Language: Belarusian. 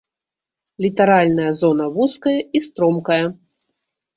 Літаральная зона вузкая і стромкая.